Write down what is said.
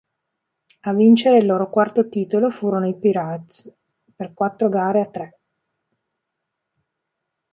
A vincere il loro quarto titolo furono i Pirates per quattro gare a tre.